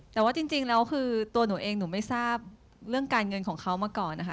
แต่ว่าจริงแล้วคือตัวหนูเองหนูไม่ทราบเรื่องการเงินของเขามาก่อนนะคะ